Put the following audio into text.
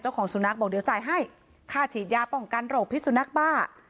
สุนัขบอกเดี๋ยวจ่ายให้ค่าฉีดยาป้องกันโรคพิสุนักบ้า